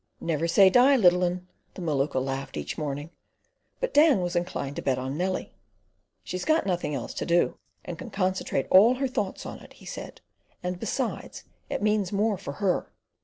"Never say die, little 'un," the Maluka laughed each morning; but Dan was inclined to bet on Nellie. "She's got nothing else to do, and can concentrate all her thoughts on it," he said, "and besides, it means more for her."